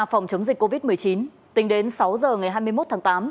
phòng chống dịch covid một mươi chín tính đến sáu giờ ngày hai mươi một tháng tám